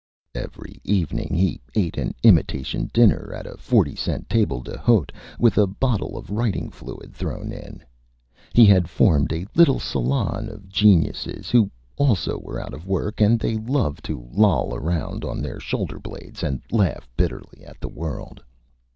Every Evening he ate an Imitation Dinner, at a forty cent Table d'Hôte, with a Bottle of Writing Fluid thrown in. He had formed a little Salon of Geniuses, who also were out of Work, and they loved to Loll around on their Shoulder Blades and Laugh Bitterly at the World.